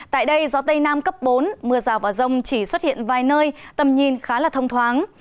tại đây gió tây nam cấp bốn mưa rào và rông chỉ xuất hiện vài nơi tầm nhìn khá là thông thoáng